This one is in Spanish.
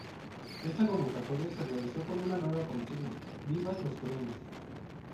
Esta convocatoria se realizó con una nueva consigna, "vivas nos queremos".